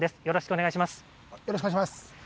よろしくお願いします。